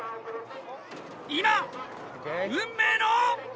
今運命の。